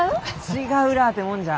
違うらあてもんじゃ。